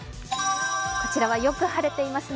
こちらはよく晴れていますね。